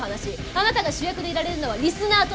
あなたが主役でいられるのはリスナーとしてだけ。